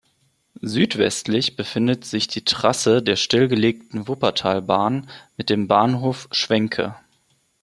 Südwestlich befindet sich die Trasse der stillgelegten Wuppertalbahn mit dem Bahnhof Schwenke.